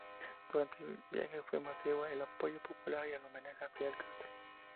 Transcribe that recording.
Durante el viaje fue masivo el apoyo popular, y el homenaje a Fidel Castro.